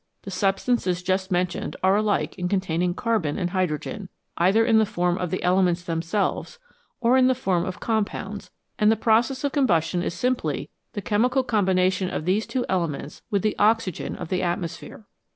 The substances just mentioned are alike in containing carbon and hydrogen, either in the form of the elements them selves, or in the form of compounds, and the process of combustion is simply the chemical combination of these two elements with the oxygen of the atmosphere.